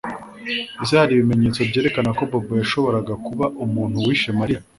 Ese hari ibimenyetso byerekana ko Bobo yashoboraga kuba umuntu wishe Mariya